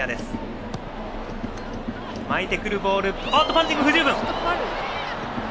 パンチング、不十分。